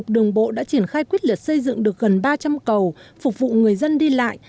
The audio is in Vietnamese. đường bộ đã triển khai quyết liệt xây dựng được gần ba trăm linh cầu phục vụ người dân đi lại